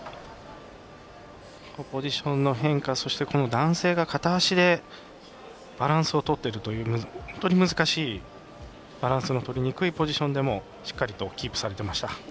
ポジションの変化、男性が片足でバランスをとっているという本当に難しいバランスのとりにくいポジションでもしっかりと、キープされてました。